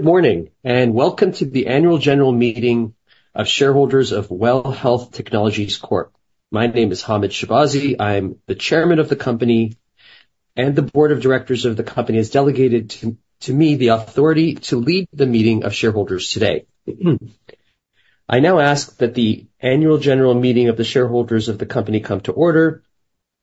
Good morning and welcome to the annual general meeting of shareholders of WELL Health Technologies Corp. My name is Hamed Shahbazi. I am the chairman of the company, and the board of directors of the company has delegated to me the authority to lead the meeting of shareholders today. I now ask that the annual general meeting of the shareholders of the company come to order.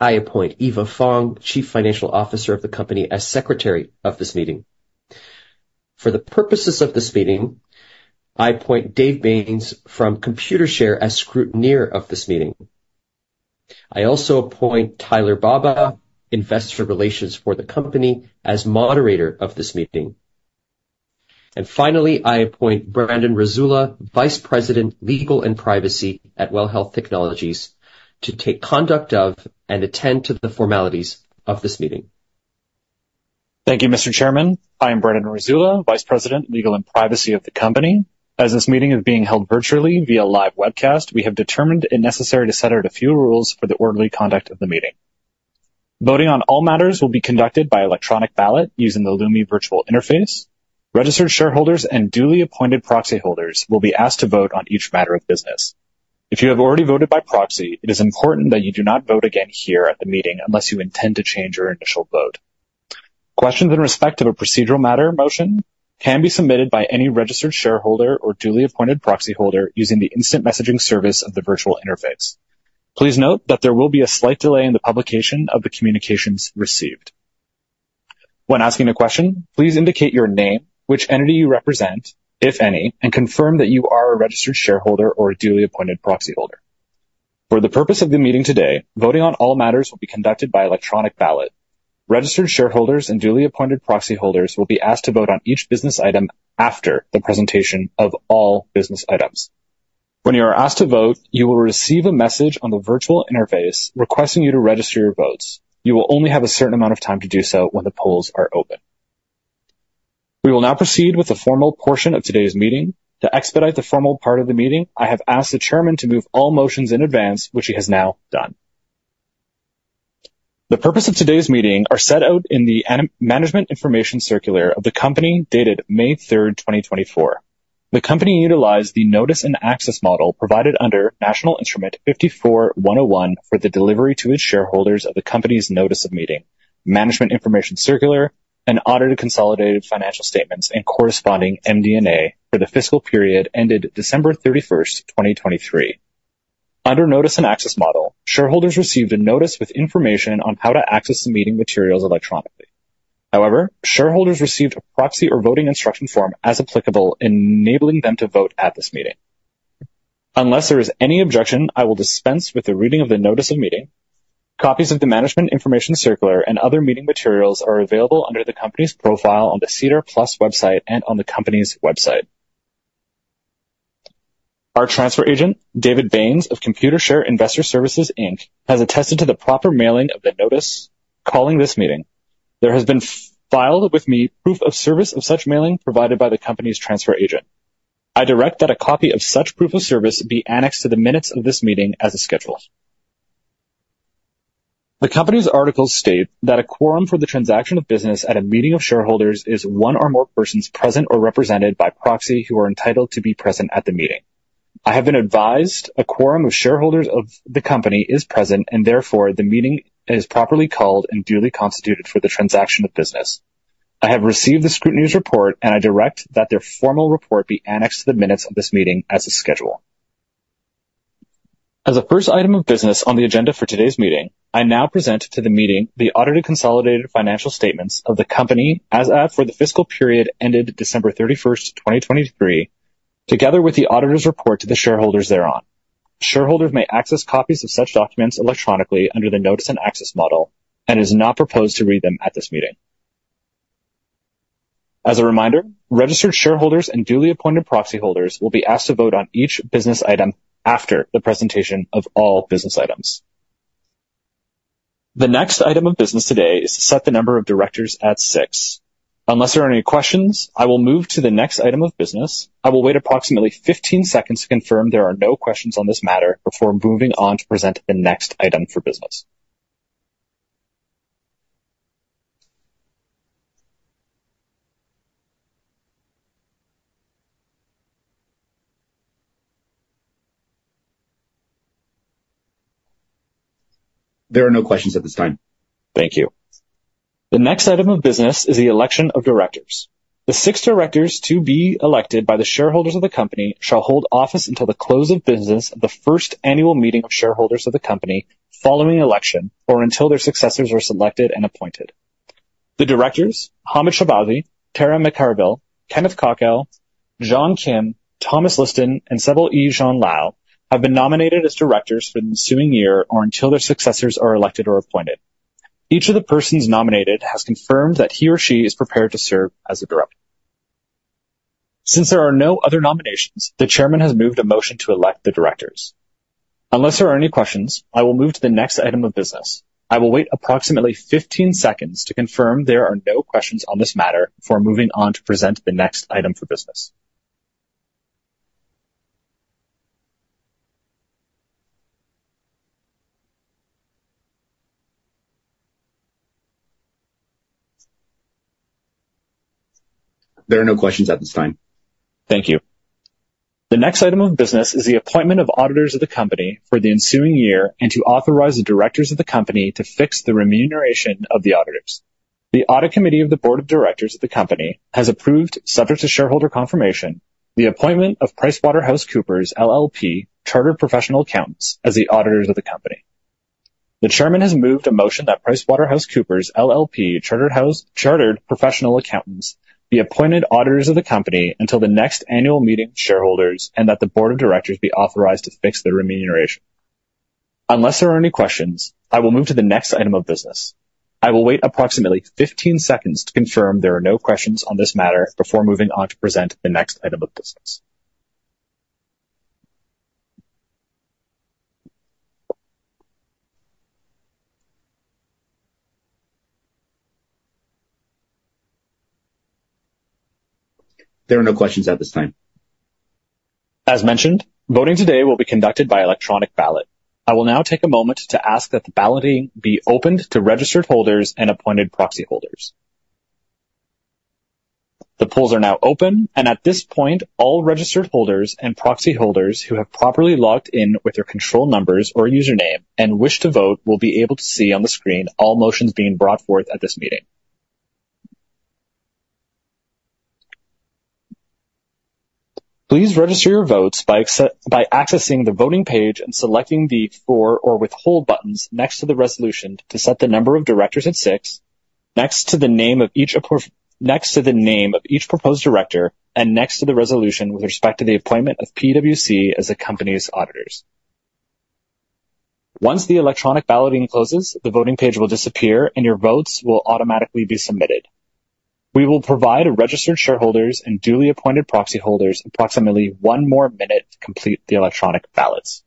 I appoint Eva Fong, Chief Financial Officer of the company, as secretary of this meeting. For the purposes of this meeting, I appoint Dave Bains from Computershare as scrutineer of this meeting. I also appoint Tyler Baba, Investor Relations for the company, as moderator of this meeting. And finally, I appoint Brandon Rasula, Vice President, Legal and Privacy at WELL Health Technologies, to take conduct of and attend to the formalities of this meeting. Thank you, Mr. Chairman. I am Brandon Rasula, Vice President, Legal and Privacy of the company. As this meeting is being held virtually via live webcast, we have determined it necessary to set out a few rules for the orderly conduct of the meeting. Voting on all matters will be conducted by electronic ballot using the Lumi virtual interface. Registered shareholders and duly appointed proxy holders will be asked to vote on each matter of business. If you have already voted by proxy, it is important that you do not vote again here at the meeting unless you intend to change your initial vote. Questions in respect of a procedural matter motion can be submitted by any registered shareholder or duly appointed proxy holder using the instant messaging service of the virtual interface. Please note that there will be a slight delay in the publication of the communications received. When asking a question, please indicate your name, which entity you represent, if any, and confirm that you are a registered shareholder or a duly appointed proxy holder. For the purpose of the meeting today, voting on all matters will be conducted by electronic ballot. Registered shareholders and duly appointed proxy holders will be asked to vote on each business item after the presentation of all business items. When you are asked to vote, you will receive a message on the virtual interface requesting you to register your votes. You will only have a certain amount of time to do so when the polls are open. We will now proceed with the formal portion of today's meeting. To expedite the formal part of the meeting, I have asked the chairman to move all motions in advance, which he has now done. The purpose of today's meeting is set out in the Management Information Circular of the company dated May 3, 2024. The company utilized the Notice-and-Access model provided under National Instrument 54-101 for the delivery to its shareholders of the company's notice of meeting, Management Information Circular, and audited consolidated financial statements and corresponding MD&A for the fiscal period ended December 31st, 2023. Under Notice-and-Access model, shareholders received a notice with information on how to access the meeting materials electronically. However, shareholders received a proxy or voting instruction form as applicable, enabling them to vote at this meeting. Unless there is any objection, I will dispense with the reading of the notice of meeting. Copies of the Management Information Circular and other meeting materials are available under the company's profile on the SEDAR+ website and on the company's website. Our transfer agent, Dave Bains of Computershare Investor Services Inc., has attested to the proper mailing of the notice calling this meeting. There has been filed with me proof of service of such mailing provided by the company's transfer agent. I direct that a copy of such proof of service be annexed to the minutes of this meeting as scheduled. The company's articles state that a quorum for the transaction of business at a meeting of shareholders is one or more persons present or represented by proxy who are entitled to be present at the meeting. I have been advised a quorum of shareholders of the company is present, and therefore the meeting is properly called and duly constituted for the transaction of business. I have received the scrutineer's report, and I direct that their formal report be annexed to the minutes of this meeting as scheduled. As the first item of business on the agenda for today's meeting, I now present to the meeting the audited consolidated financial statements of the company as for the fiscal period ended December 31st, 2023, together with the auditor's report to the shareholders thereon. Shareholders may access copies of such documents electronically under the Notice-and-Access model, and it is not proposed to read them at this meeting. As a reminder, registered shareholders and duly appointed proxy holders will be asked to vote on each business item after the presentation of all business items. The next item of business today is to set the number of directors at six. Unless there are any questions, I will move to the next item of business. I will wait approximately 15 seconds to confirm there are no questions on this matter before moving on to present the next item for business. There are no questions at this time. Thank you. The next item of business is the election of directors. The six directors to be elected by the shareholders of the company shall hold office until the close of business of the first annual meeting of shareholders of the company following election or until their successors are selected and appointed. The directors, Hamed Shahbazi, Tara McCarville, Kenneth Cawkell, John Kim, Thomas Liston, and Sybil E. Jen Lau have been nominated as directors for the ensuing year or until their successors are elected or appointed. Each of the persons nominated has confirmed that he or she is prepared to serve as a director. Since there are no other nominations, the chairman has moved a motion to elect the directors. Unless there are any questions, I will move to the next item of business. I will wait approximately 15 seconds to confirm there are no questions on this matter before moving on to present the next item for business. There are no questions at this time. Thank you. The next item of business is the appointment of auditors of the company for the ensuing year and to authorize the directors of the company to fix the remuneration of the auditors. The audit committee of the board of directors of the company has approved, subject to shareholder confirmation, the appointment of PricewaterhouseCoopers LLP Chartered Professional Accountants as the auditors of the company. The chairman has moved a motion that PricewaterhouseCoopers LLP Chartered Professional Accountants be appointed auditors of the company until the next annual meeting of shareholders and that the board of directors be authorized to fix the remuneration. Unless there are any questions, I will move to the next item of business. I will wait approximately 15 seconds to confirm there are no questions on this matter before moving on to present the next item of business. There are no questions at this time. As mentioned, voting today will be conducted by electronic ballot. I will now take a moment to ask that the balloting be opened to registered holders and appointed proxy holders. The polls are now open, and at this point, all registered holders and proxy holders who have properly logged in with their control numbers or username and wish to vote will be able to see on the screen all motions being brought forth at this meeting. Please register your votes by accessing the voting page and selecting the for or withhold buttons next to the resolution to set the number of directors at six, next to the name of each proposed director, and next to the resolution with respect to the appointment of PwC as the company's auditors. Once the electronic balloting closes, the voting page will disappear and your votes will automatically be submitted. We will provide registered shareholders and duly appointed proxy holders approximately one more minute to complete the electronic ballots.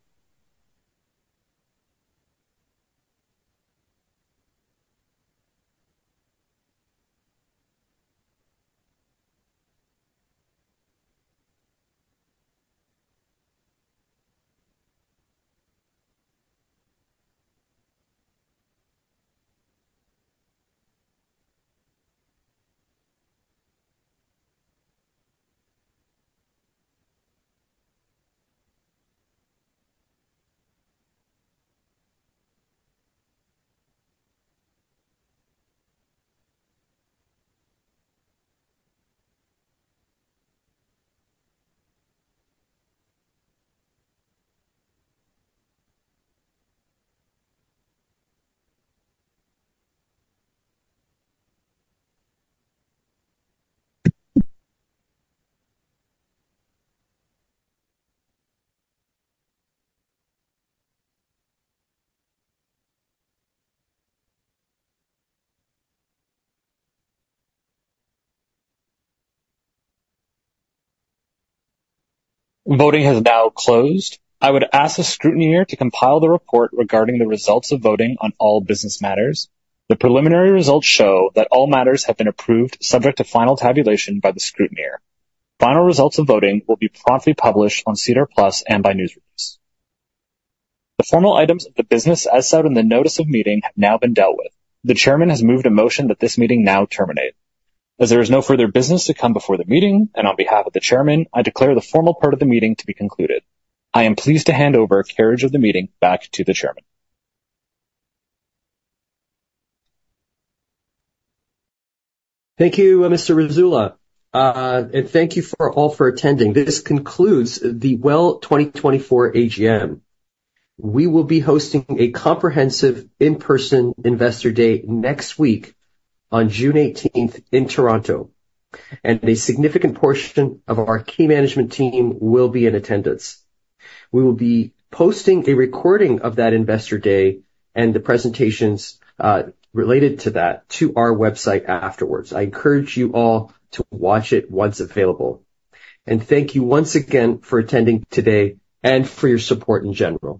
Voting has now closed. I would ask the scrutineer to compile the report regarding the results of voting on all business matters. The preliminary results show that all matters have been approved, subject to final tabulation by the scrutineer. Final results of voting will be promptly published on SEDAR+ and by news release. The formal items of the business as set out in the notice of meeting have now been dealt with. The chairman has moved a motion that this meeting now terminate. As there is no further business to come before the meeting, and on behalf of the chairman, I declare the formal part of the meeting to be concluded. I am pleased to hand over carriage of the meeting back to the chairman. Thank you, Mr. Rasula, and thank you all for attending. This concludes the WELL 2024 AGM. We will be hosting a comprehensive in-person investor day next week on June 18 in Toronto, and a significant portion of our key management team will be in attendance. We will be posting a recording of that investor day and the presentations related to that to our website afterwards. I encourage you all to watch it once available. Thank you once again for attending today and for your support in general.